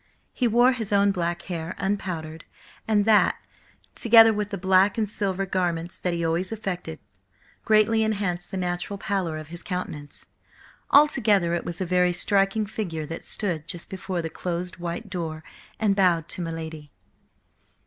He wore his own black hair, unpowdered, and that, together with the black and silver garments that he always affected, greatly enhanced the natural pallor of his countenance. Altogether it was a very striking figure that stood just before the closed white door and bowed to my lady.